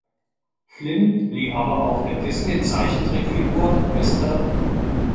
Flynn lieh aber auch der Disney-Zeichentrick-Figur "Mr.